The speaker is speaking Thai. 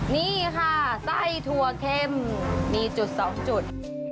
นี่ค่ะไส้ถั่วเข้มมีจุดสองจุด